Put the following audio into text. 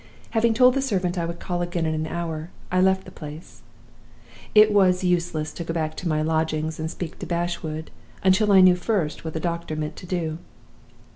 Having told the servant I would call again in an hour, I left the place. "It was useless to go back to my lodgings and speak to Bashwood, until I knew first what the doctor meant to do.